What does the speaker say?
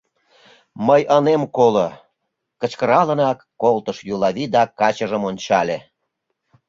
— Мый ынем коло! — кычкыралынак колтыш Юлавий да качыжым ончале.